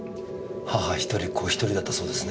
母一人子一人だったそうですね。